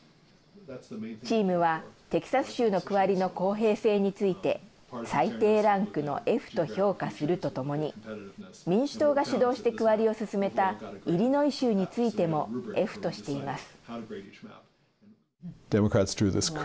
チームはテキサス州の区割りの公平性について最低ランクのＦと評価するとともに民主党が主導して区割りを進めたイリノイ州についてもＦとしています。